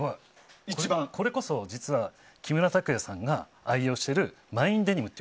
これこそ、実は木村拓哉さんが愛用しているマインデニム。